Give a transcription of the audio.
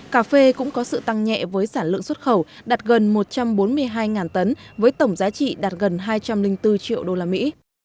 cà phê cũng có sự tăng nhẹ với sản lượng xuất khẩu đạt gần một trăm bốn mươi hai tấn với tổng giá trị đạt gần hai trăm linh bốn triệu đô la mỹ